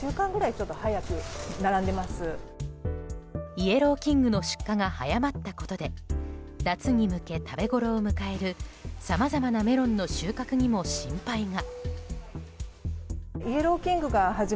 イエローキングの出荷が早まったことで夏に向け食べごろを迎えるさまざまなメロンの収穫にも心配が。